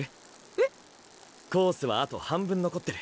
えっ⁉コースはあと半分残ってる。